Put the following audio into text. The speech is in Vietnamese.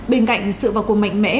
bên cạnh sự vào cuộc mạnh mẽ